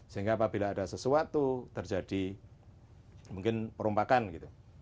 sehingga apabila ada sesuatu terjadi mungkin perompakan gitu